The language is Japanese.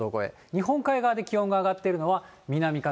日本海側で気温が上がってるのは、南風、